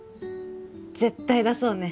絶対出そうね